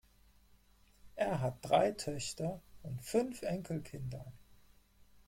Er hat drei Töchter und fünf Enkelkinder.